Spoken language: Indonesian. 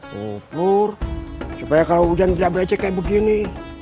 pelur supaya kalau hujan tidak becek kayak begini